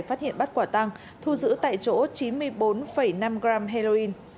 phát hiện bắt quả tăng thu giữ tại chỗ chín mươi bốn năm g heroin